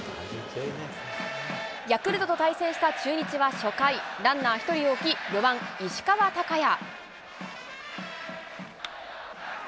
ヤクルトと対戦した中日は初回、ランナー１人を置き、４番石川昂弥。